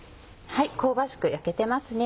香ばしく焼けてますね。